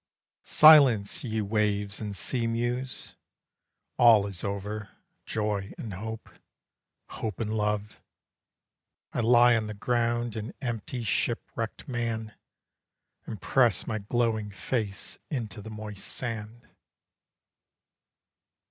Silence ye waves and sea mews! All is over! joy and hope Hope and love! I lie on the ground An empty, shipwrecked man, And press my glowing face Into the moist sand.